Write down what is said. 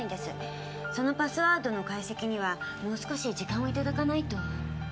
そのパスワードの解析にはもう少し時間をいただかないと。